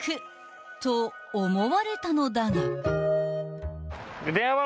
［と思われたのだが］